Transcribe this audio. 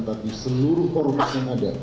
tapi seluruh ormas yang berada di sini